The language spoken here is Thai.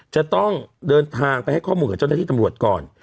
จะต้องเดินทางไปให้ข้อมูลกับเจ้าหน้าที่ตำรวจก่อน